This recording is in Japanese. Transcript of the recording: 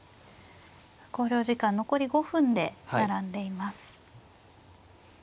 考慮時間残り５分で並んでいます。